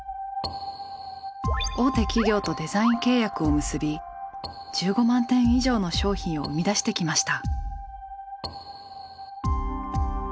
大手企業とデザイン契約を結び１５万点以上の商品を生み出してきました。